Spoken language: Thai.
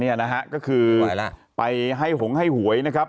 นี่นะฮะก็คือไปให้หงให้หวยนะครับ